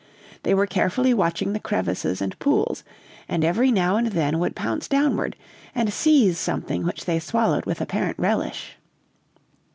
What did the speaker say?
They were carefully watching the crevices and pools, and every now and then would pounce downward and seize something which they swallowed with apparent relish.